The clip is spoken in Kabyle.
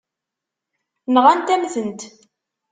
Nɣant-am-tent.